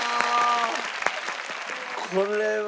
これは。